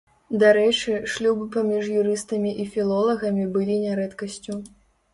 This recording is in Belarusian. Дарэчы, шлюбы паміж юрыстамі і філолагамі былі нярэдкасцю.